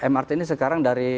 mrt ini sekarang dari